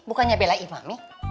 bukannya belain mami